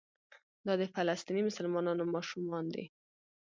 دا د فلسطیني مسلمانانو ماشومان دي.